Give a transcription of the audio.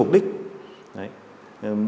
mục đích này là